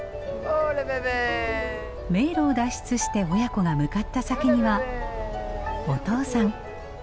迷路を脱出して親子が向かった先にはお父さん。